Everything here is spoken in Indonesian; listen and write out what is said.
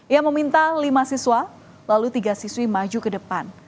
ia meminta lima siswa lalu tiga siswi maju ke depan